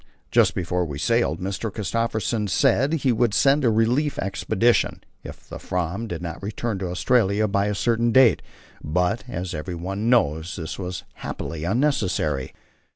Just before we sailed Mr. Christophersen said he would send a relief expedition, if the Fram did not return to Australia by a certain date; but, as everyone knows, this was happily unnecessary.